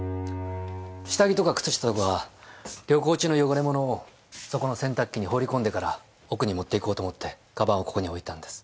下着とか靴下とか旅行中の汚れ物をそこの洗濯機に放り込んでから奥に持っていこうと思って鞄をここに置いたんです。